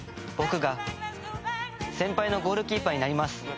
「僕が先輩のゴールキーパーになります」